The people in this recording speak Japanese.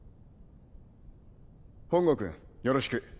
本郷君よろしく。